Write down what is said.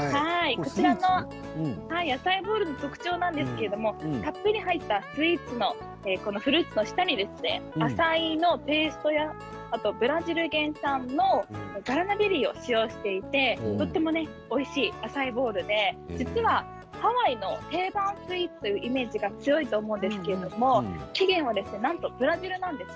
アサイーボウルの特徴なんですけどたっぷり入ったフルーツの下にアサイーのペーストやブラジル原産のガラナベリーを使用していてとてもおいしいアサイーボウルで実はハワイの定番スイーツというイメージが強いと思うんですけど起源は、なんとブラジルなんです。